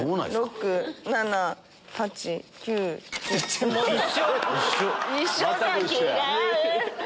６・７・８・９。一緒！